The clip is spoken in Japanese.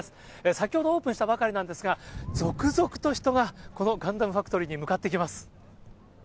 先ほどオープンしたばかりなんですが、続々と人がこのガンダムファクトリーに向かってきます。